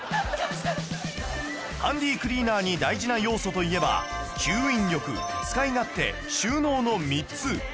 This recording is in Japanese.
ハンディクリーナーに大事な要素といえば吸引力使い勝手収納の３つ